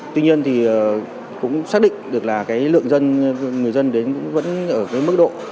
tuy nhiên thì cũng xác định được là cái lượng dân người dân đến cũng vẫn ở cái mức độ